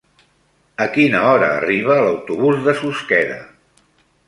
A quina hora arriba l'autobús de Susqueda?